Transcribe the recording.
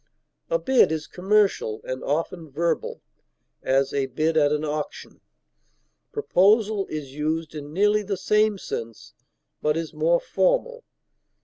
A bid is commercial and often verbal; as, a bid at an auction; proposal is used in nearly the same sense, but is more formal.